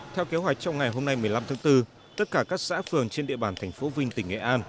theo kế hoạch trong ngày hôm nay một mươi năm tháng bốn tất cả các xã phường trên địa bàn thành phố vinh tỉnh nghệ an